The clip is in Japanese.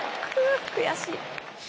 悔しい。